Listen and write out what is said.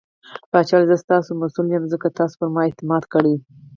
پاچا وويل :زه ستاسو ته مسوول يم ځکه تاسو پرما اعتماد کړٸ .